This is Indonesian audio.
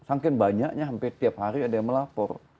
saking banyaknya hampir tiap hari ada yang melapor